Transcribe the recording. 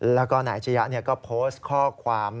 แล้วก็นายอาชียะก็โพสต์ข้อความ